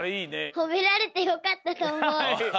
ほめられてよかったとおもう。